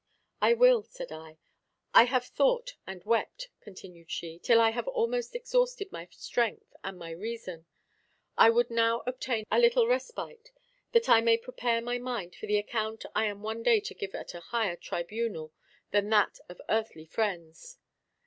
"I will," said I. "I have thought and wept," continued she, "till I have almost exhausted my strength and my reason. I would now obtain a little respite, that I may prepare my mind for the account I am one day to give at a higher tribunal than that of earthly friends.